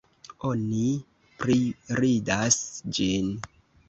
Oni priridas ĝin.